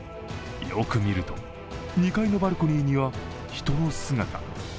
よく見ると、２階のバルコニーには人の姿。